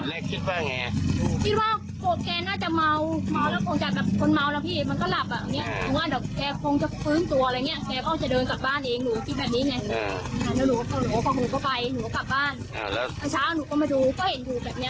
แล้วเช้าหนูก็มาดูก็เห็นดูแบบนี้อันนี้ยังนอนท่าเดิมเลย